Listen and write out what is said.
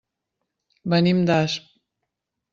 Venim d'Asp.